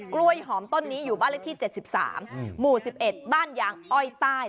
กล้วยหอมต้นนี้อยู่บ้านเล็กที่เจ็ดสิบสามหมู่สิบเอ็ดบ้านยางอ้อยใต้